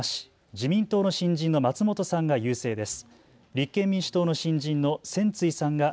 自民党の新人の松本さんが優勢です。